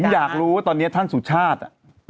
ผมอยากรู้ว่าตอนนี้ท่านสุชาติ